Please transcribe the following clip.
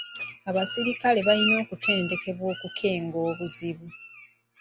Abaserikale balina okutendekebwa okukenga obuzibu.